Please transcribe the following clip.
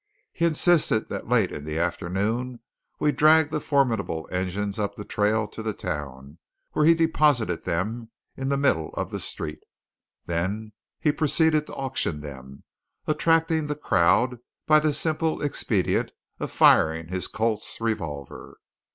He insisted that late in the afternoon we drag the formidable engines up the trail to the town, where he deposited them in the middle of the street. There he proceeded to auction them; attracting the crowd by the simple expedient of firing his Colt's revolver.